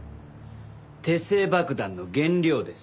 手製爆弾の原料です。